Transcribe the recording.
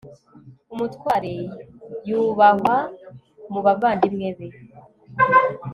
umutware yubahwa mu bavandimwe be